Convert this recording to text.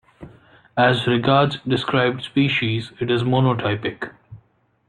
As regards described species, it is monotypic.